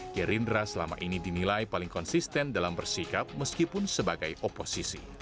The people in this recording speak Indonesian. gerindra selama ini dinilai paling konsisten dalam bersikap meskipun sebagai oposisi